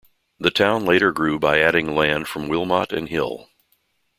The town later grew by adding land from Wilmot and Hill.